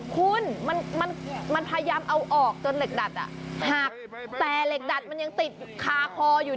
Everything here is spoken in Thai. คุณมันพยายามเอาออกจนเหล็กดัดหักแต่เหล็กดัดมันยังติดคาคออยู่